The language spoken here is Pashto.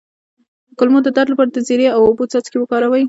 د کولمو د درد لپاره د زیرې او اوبو څاڅکي وکاروئ